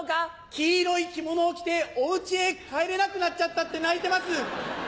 黄色い着物を着て「お家へ帰れなくなっちゃった」って泣いてます。